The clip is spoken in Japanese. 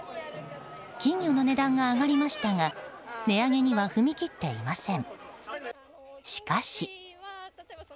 金魚の値段が上がりましたが値上げには踏み切っていません。